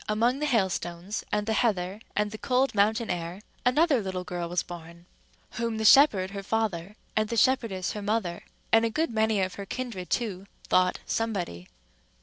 among the hailstones, and the heather, and the cold mountain air, another little girl was born, whom the shepherd her father, and the shepherdess her mother, and a good many of her kindred too, thought Somebody.